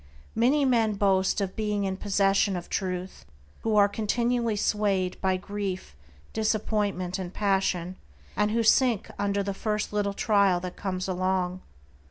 Many men boast of being in possession of Truth who are continually swayed by grief, disappointment, and passion, and who sink under the first little trial that comes along.